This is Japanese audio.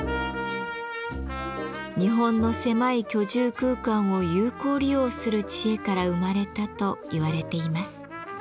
日本の狭い居住空間を有効利用する知恵から生まれたといわれています。